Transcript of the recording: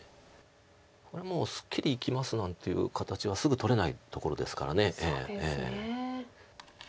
これもうすっきり生きますなんていう形はすぐ取れないところですから。